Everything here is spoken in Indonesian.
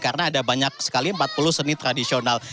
karena ada banyak sekali empat puluh seni tradisional